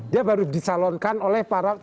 dia baru dicalonkan oleh para